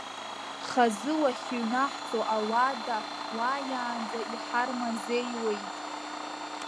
Хазы уахьыҩнаҳҵо ауада уааиаанӡа иҳармазеиуеит.